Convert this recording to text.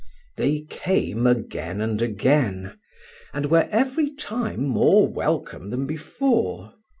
They came again and again, and were every time more welcome than before.